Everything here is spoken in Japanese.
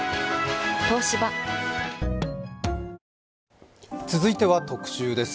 東芝続いては特集です。